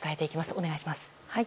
お願いします。